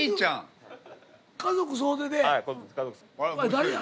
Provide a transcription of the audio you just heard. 誰や？